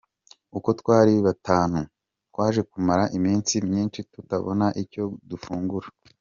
Uko twari batanu, twaje kumara iminsi myinshi tutabona icyo dufungura.